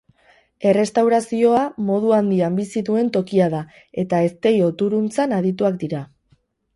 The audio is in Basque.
Errestaurazioa modu handian bizi duen tokia da eta eztei-oturuntzan adituak dira.